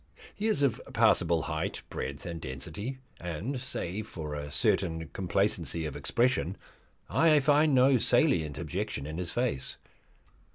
He is of passable height, breadth, and density, and, save for a certain complacency of expression, I find no salient objection in his face.